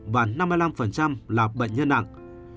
và năm mươi năm là bệnh nhân nặng